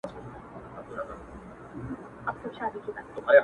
• له لیري ولاتونو دي پانوس ته یم راغلی ,